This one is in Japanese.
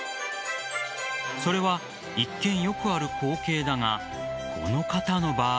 それは一見、よくある光景だがこの方の場合。